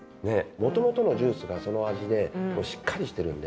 もともとのジュースがその味でしっかりしてるんで。